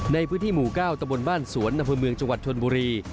ในพื้นที่หมู่๙ตะบนบ้านสวนอำเภอเมืองจังหวัดชนบุรี